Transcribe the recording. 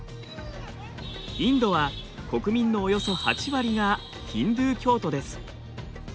インドは国民のおよそ８割がヒンドゥー教徒です。